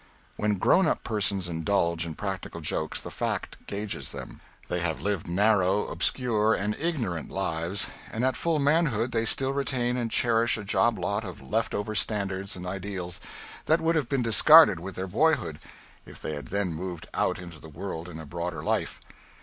When grown up persons indulge in practical jokes, the fact gauges them. They have lived narrow, obscure, and ignorant lives, and at full manhood they still retain and cherish a job lot of left over standards and ideals that would have been discarded with their boyhood if they had then moved out into the world and a broader life.